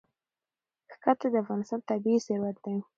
ښتې د افغانستان طبعي ثروت دی.